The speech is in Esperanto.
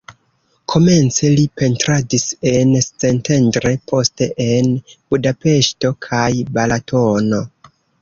Komence li pentradis en Szentendre, poste en Budapeŝto kaj Balatono.